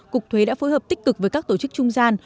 cục thuế đã phối hợp tích cực với các tổ chức trung gian